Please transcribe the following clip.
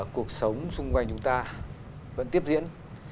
cuộc sống xung quanh chúng ta vẫn tiếp diễn